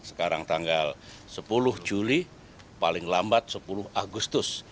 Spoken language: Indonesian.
sekarang tanggal sepuluh juli paling lambat sepuluh agustus